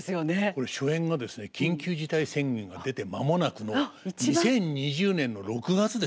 これ初演がですね緊急事態宣言が出て間もなくの２０２０年の６月ですから。